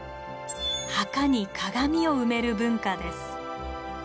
墓に鏡を埋める文化です。